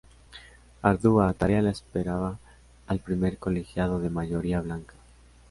Ardua tarea le esperaba al primer colegiado de mayoría blanca.